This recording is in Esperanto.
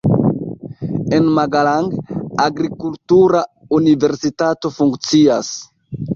En Magalang agrikultura universitato funkcias.